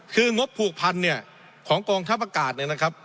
คืองบผูกพันเนี่ยของกองทัพอากาศเนี่ยนะครับ